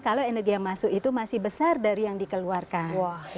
kalau energi yang masuk itu masih besar dari yang dikeluarkan